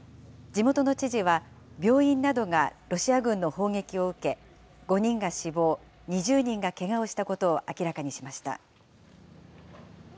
地元の知事は、病院などがロシア軍の砲撃を受け、５人が死亡、２０人がけがをしたことを明らかにしました。